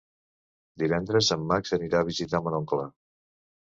Divendres en Max anirà a visitar mon oncle.